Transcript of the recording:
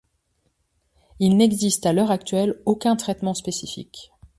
Il n'existe à l'heure actuelle aucun traitement spécifique.